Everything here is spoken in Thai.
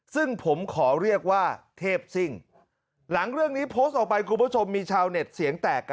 ซึ่งผมคอเรียกว่าเทพศิง